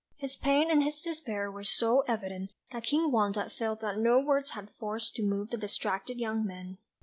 His pain and his despair were so evident, that King Wanda felt that no words had force to move the distracted young man.